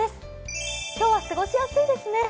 今日は過ごしやすいですね。